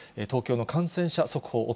東京の感染者速報